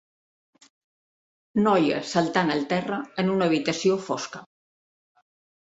Noia saltant al terra en una habitació fosca.